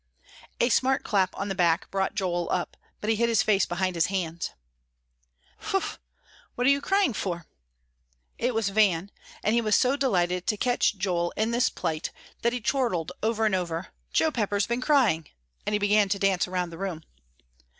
A smart clap on the back brought Joel up, but he hid his face behind his hands. "Phoh! What are you crying for?" It was Van; and he was so delighted to catch Joel in this plight that he chortled over and over, "Joe Pepper's been crying!" and he began to dance around the room.